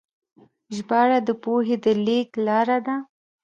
ژباړه د پوهې د لیږد لاره ده.